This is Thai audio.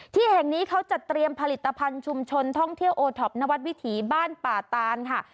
ที่แห่งนี้เขาจะเตรียมผลิตภัณฑ์ชุมชนท่องเที่ยวโอท็อปนวัดวิถีบ้านป่าตานค่ะ